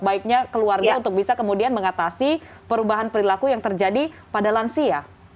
baiknya keluarga untuk bisa kemudian mengatasi perubahan perilaku yang terjadi pada lansia